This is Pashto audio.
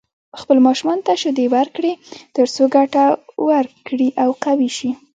خپلو ماشومانو ته شيدې ورکړئ تر څو ګټه ورکړي او قوي شي.